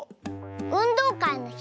うんどうかいのひ